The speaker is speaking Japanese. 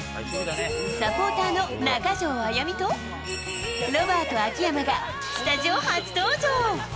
サポーターの中条あやみとロバート秋山がスタジオ初登場。